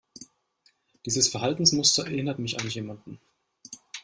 Dieses Verhaltensmuster erinnert mich an jemanden.